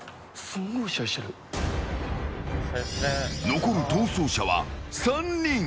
残る逃走者はあと３人。